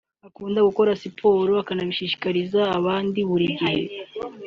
Akunda gukora siporo akanabishishikariza abandi buri gihe